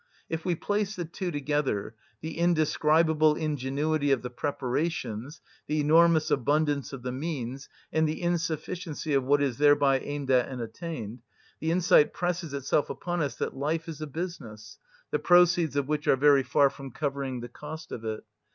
If we place the two together, the indescribable ingenuity of the preparations, the enormous abundance of the means, and the insufficiency of what is thereby aimed at and attained, the insight presses itself upon us that life is a business, the proceeds of which are very far from covering the cost of it.